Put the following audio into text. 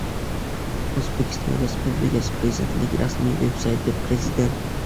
O‘zbekiston Respublikasi Prezidentining rasmiy veb-sayti – president